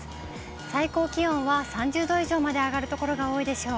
最高気温は３０度以上まで上がる所が多いでしょう。